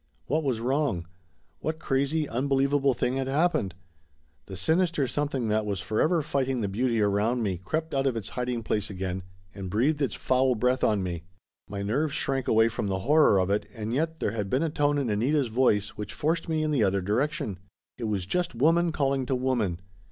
What was wrong? What crazy unbelievable thing had happened? The sinister something that was for ever fighting the beauty around me crept out of its hid ing place again and breathed its foul breath on me. My nerves shrank away from the horror of it, and yet there had been a tone in Anita's voice which forced me in the other direction. It was just woman calling to woman.